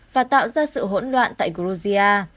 và tạo ra sự hỗn loạn tại georgia